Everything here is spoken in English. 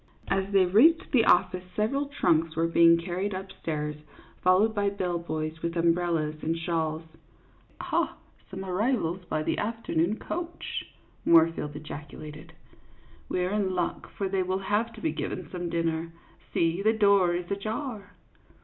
As they reached the office several trunks were being carried up stairs, followed by bell boys with umbrel las and shawls. " Ha, some arrivals by the afternoon coach !" Moorfield ejaculated. " We 're in luck, for they will have to be given some dinner; see, the door is ajar."